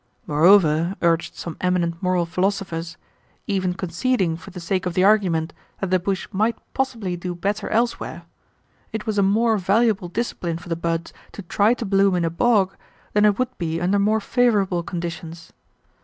Moreover, urged some eminent moral philosophers, even conceding for the sake of the argument that the bush might possibly do better elsewhere, it was a more valuable discipline for the buds to try to bloom in a bog than it would be under more favorable conditions.